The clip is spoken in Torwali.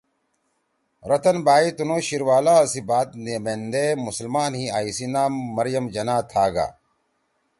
رتَن بائی تنُو شیر والا سی بات نے میندے مسلمان ہی آں ایِسی نام مریم جناح تھا گا